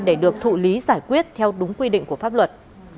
để được thụ lý giải quyết theo đúng quy định của pháp luật